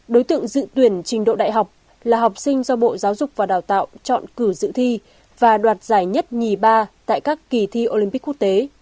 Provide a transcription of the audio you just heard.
đối tượng dự tuyển trình độ đại học là học sinh do bộ giáo dục và đào tạo chọn cử dự thi và đoạt giải nhất nhì ba tại các kỳ thi olympic quốc tế